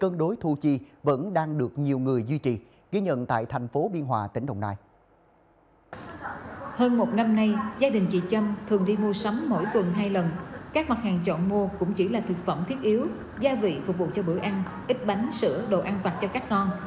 mua cũng chỉ là thực phẩm thiết yếu gia vị phục vụ cho bữa ăn ít bánh sữa đồ ăn vạch cho các con